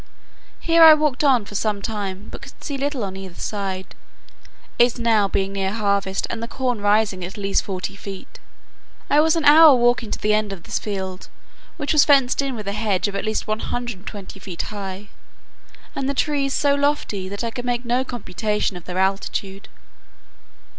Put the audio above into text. Here I walked on for some time, but could see little on either side, it being now near harvest, and the corn rising at least forty feet. I was an hour walking to the end of this field, which was fenced in with a hedge of at least one hundred and twenty feet high, and the trees so lofty that I could make no computation of their altitude.